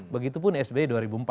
begitupun sbi dua ribu empat